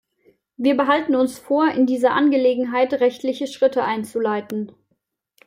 Wir behalten uns vor, in dieser Angelegenheit rechtliche Schritte einzuleiten.